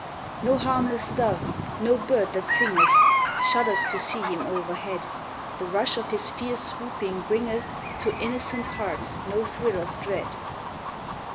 No harmless dove, no bird that singeth, Shudders to see him overhead; The rush of his fierce swooping bringeth To innocent hearts no thrill of dread.